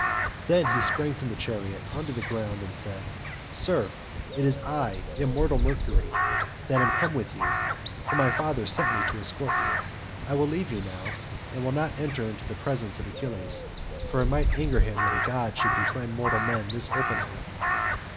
Then he sprang from the chariot on to the ground and said, "Sir, it is I, immortal Mercury, that am come with you, for my father sent me to escort you. I will now leave you, and will not enter into the presence of Achilles, for it might anger him that a god should befriend mortal men thus openly.